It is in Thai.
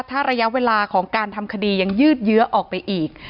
ถ้าระยะเวลาของการทำคดียังยืดเยื้อออกไปอีก